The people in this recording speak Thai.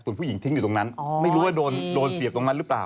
ผู้หญิงทิ้งอยู่ตรงนั้นไม่รู้ว่าโดนโดนเสียดตรงนั้นหรือเปล่า